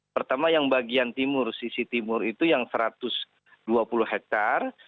pertama yang bagian timur sisi timur itu yang satu ratus dua puluh hektare